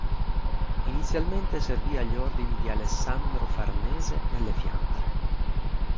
Inizialmente servì agli ordini di Alessandro Farnese nelle Fiandre.